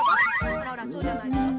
あらあらそうじゃないでしょ。